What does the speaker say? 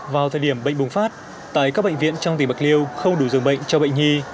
vào thời điểm bệnh bùng phát tại các bệnh viện trong tỉnh bạc liêu không đủ dường bệnh cho bệnh nhi